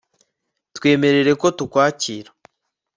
twemerere ko tukwakira